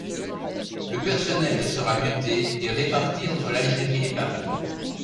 Le personnel sera muté et réparti entre l'Algérie et Paris.